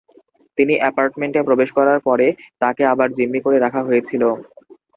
তিনি অ্যাপার্টমেন্টে প্রবেশ করার পরে, তাকে আবার জিম্মি করে রাখা হয়েছিল।